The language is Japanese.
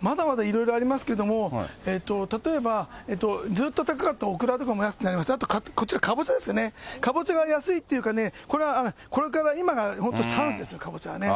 まだまだいろいろありますけれども、例えばずっと高かったオクラとかも安くなりまして、あとこちら、カボチャですね、カボチャが安いっていうかね、これはこれから今が本当、チャンスですね、カボチャはね。